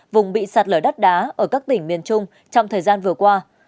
vùng bị sạt lở đất đá ở các tỉnh miền trung trong thời gian vừa qua